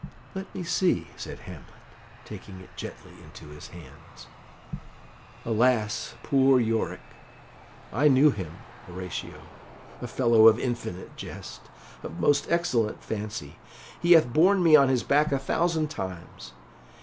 "Let me see," said Hamlet, taking it gently into his hands. "Alas, poor Yorick! I knew him, Horatio a fellow of infinite jest, of most excellent fancy: he hath borne me on his back a thousand times.